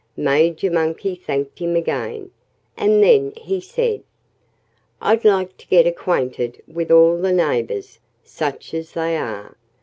Major Monkey thanked him again. And then he said: "I'd like to get acquainted with all the neighbors such as they are.